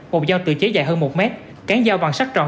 một dao tự chế dài hơn một mét cán dao bằng sắt tròn